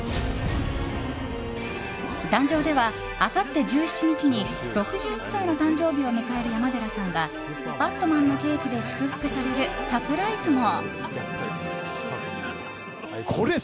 壇上では、あさって１７日に６２歳の誕生日を迎える山寺さんがバットマンのケーキで祝福されるサプライズも！